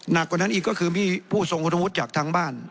หนักกว่านั้นอีกก็คือมีผู้ทรงคุณวุฒิจากทางบ้าน